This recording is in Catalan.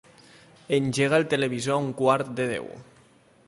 Engega el televisor a un quart de deu.